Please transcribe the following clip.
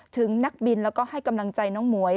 ถึงนักบินแล้วก็ให้กำลังใจน้องหมวย